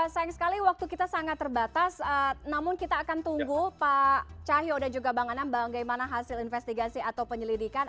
sayang sekali waktu kita sangat terbatas namun kita akan tunggu pak cahyo dan juga bang anam bagaimana hasil investigasi atau penyelidikan